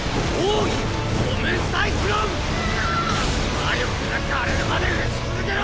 魔力がかれるまで撃ち続けろ！